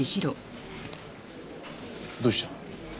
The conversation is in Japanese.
どうした？